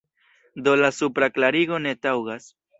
Do la supra klarigo ne taŭgas.